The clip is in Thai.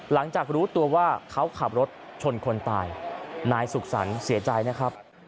หลังจากรู้ตัวว่าเขาขับรถชนคนตายนายสุขสรรค์เสียใจนะครับ